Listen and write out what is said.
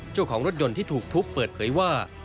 เจ้าของรถยนต์ที่ถูกทุบเปิดเผยว่า